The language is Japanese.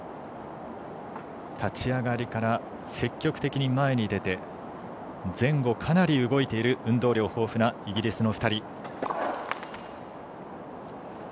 立ち上がりから積極的に前に出て前後、かなり動いている運動量豊富なイギリスの２人。